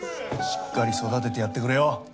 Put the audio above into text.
しっかり育ててやってくれよ。